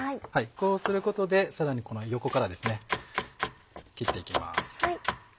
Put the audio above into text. こうすることでさらにこの横から切って行きます。